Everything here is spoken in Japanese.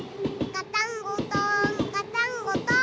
ガタンゴトンガタンゴトン。